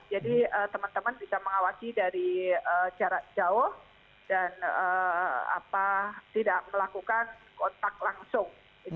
jadi teman teman bisa mengawasi dari jarak jauh dan tidak melakukan kontak langsung